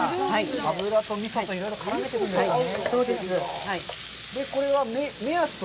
油と味噌といろいろ絡めていくんですね。